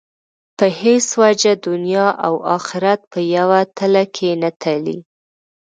په هېڅ وجه دنیا او آخرت په یوه تله کې نه تلي.